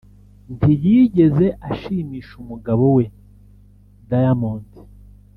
ntiyigeze ashimisha umugabo we Diamond